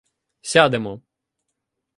— Сядемо.